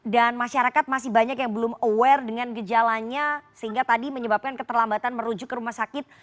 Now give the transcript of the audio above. dan masyarakat masih banyak yang belum aware dengan gejalanya sehingga tadi menyebabkan keterlambatan merujuk ke rumah sakit